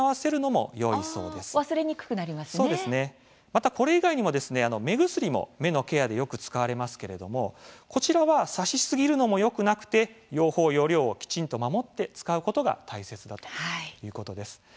またこれ以外にも目薬も目のケアでよく使われますけど、こちらはさしすぎるのもよくなくて用法容量をきちんと守って使うことが大切だということです。